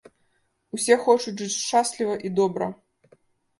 Усе хочуць жыць шчасліва і добра.